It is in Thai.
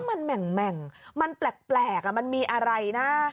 มันแหม่งแหม่งมันแปลกแปลกอ่ะมันมีอะไรน่ะ